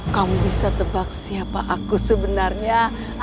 kamu bisa tebak siapa aku sebenarnya